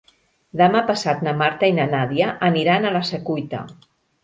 Demà passat na Marta i na Nàdia aniran a la Secuita.